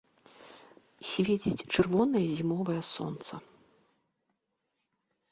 Свеціць чырвонае зімовае сонца.